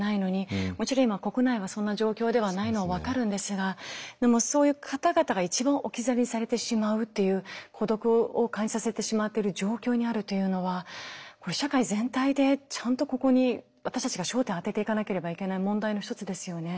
もちろん今国内はそんな状況ではないのは分かるんですがでもそういう方々が一番置き去りにされてしまうという孤独を感じさせてしまっている状況にあるというのは社会全体でちゃんとここに私たちが焦点を当てていかなければいけない問題の一つですよね。